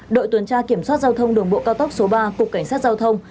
đội tuần tra kiểm soát giao thông đường bộ cao tốc số ba cục cảnh sát giao thông